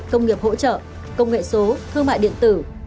công nghiệp hỗ trợ công nghệ số thương mại điện tử thực phẩm đồ uống